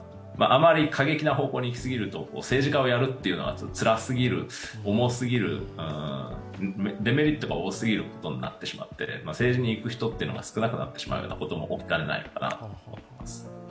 あまり過激な方向にいきすぎると、政治家をやるというのがつらすぎる、重すぎる、デメリットが多すぎることになってしまって政治に行く人っていうのが少なくなってしまうようなことも起きてしまうのかなと思います。